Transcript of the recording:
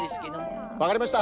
わかりました。